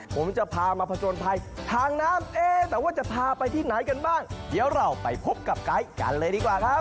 ผมจะพามาผจญภัยทางน้ำเอ๊แต่ว่าจะพาไปที่ไหนกันบ้างเดี๋ยวเราไปพบกับไกด์กันเลยดีกว่าครับ